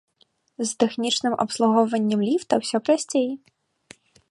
З тэхнічным абслугоўваннем ліфта усё прасцей.